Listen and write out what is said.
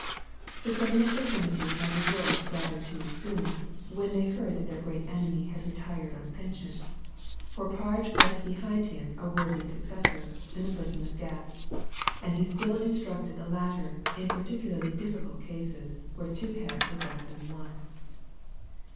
The criminal fraternity had rejoiced rather too soon, when they heard that their great enemy had retired on a pension; for Parge left behind him a worthy successor in the person of Gebb, and he still instructed the latter in particularly difficult cases where two heads were better than one.